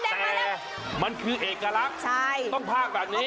แต่มันคือเอกลักษณ์ต้องภาคแบบนี้